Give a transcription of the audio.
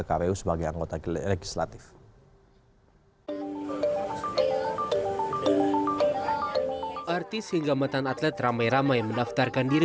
kpu sebagai anggota legislatif artis hingga mantan atlet ramai ramai mendaftarkan diri